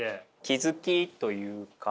気付きというか